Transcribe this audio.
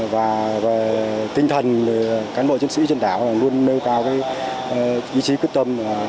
và tinh thần cán bộ chiến sĩ trên đảo luôn nêu cao ý chí quyết tâm